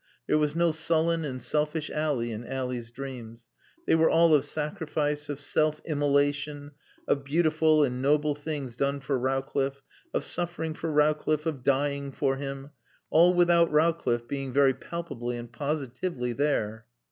There was no sullen and selfish Ally in Ally's dreams. They were all of sacrifice, of self immolation, of beautiful and noble things done for Rowcliffe, of suffering for Rowcliffe, of dying for him. All without Rowcliffe being very palpably and positively there.